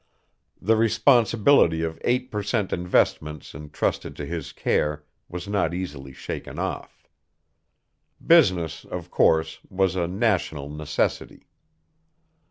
The responsibility of eight per cent. investments entrusted to his care was not easily shaken off. Business, of course, was a national necessity.